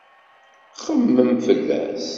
Xemmem fell-as.